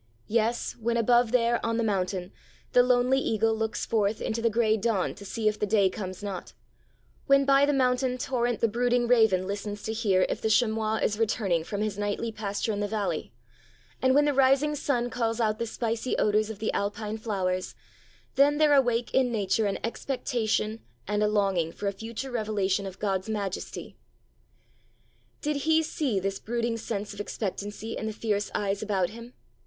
Yes, when above there, on the mountain, the lonely eagle looks forth into the grey dawn to see if the day comes not; when by the mountain torrent the brooding raven listens to hear if the chamois is returning from his nightly pasture in the valley; and when the rising sun calls out the spicy odours of the Alpine flowers, then there awake in Nature an expectation and a longing for a future revelation of God's majesty.' Did He see this brooding sense of expectancy in the fierce eyes about Him?